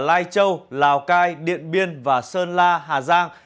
lai châu lào cai điện biên và sơn la hà giang